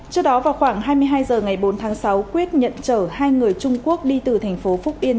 trước đó vào khoảng hai mươi hai h ngày bốn tháng sáu quyết nhận chở hai người trung quốc đi từ thành phố phúc yên